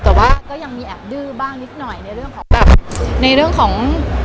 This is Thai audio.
แต่ว่าก็ยังมีแอบดื้อบ้างนิดหน่อยในเรื่องของ